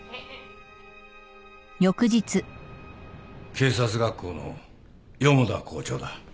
警察学校の四方田校長だ。